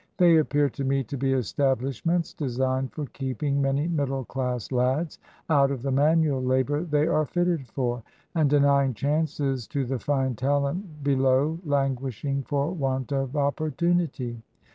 They appear to me to be establishments designed for keeping many middle class lads out of the manual labour they are fitted for, and denying chances to the fine talent below languishing for want of opportunity."